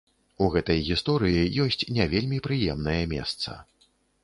У гэтай гісторыі ёсць не вельмі прыемнае месца.